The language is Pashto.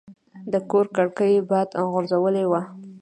د کور کړکۍ باد غورځولې وه.